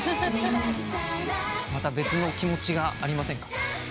また別の気持ちがありません？